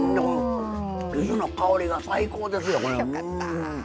ゆずの香りが最高ですよ！